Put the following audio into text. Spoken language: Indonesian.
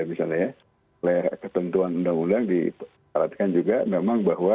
misalnya ketentuan undang undang diperhatikan juga memang bahwa